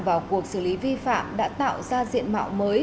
vào cuộc xử lý vi phạm đã tạo ra diện mạo mới